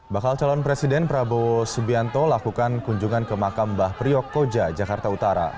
bakal calon presiden prabowo subianto lakukan kunjungan ke makam mbah priok koja jakarta utara